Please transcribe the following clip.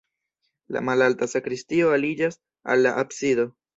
La malalta sakristio aliĝas al la absido.